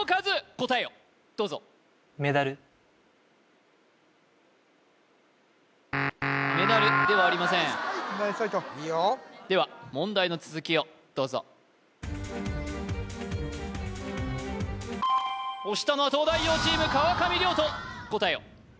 答えをどうぞメダルではありませんでは問題の続きをどうぞ押したのは東大王チーム川上諒人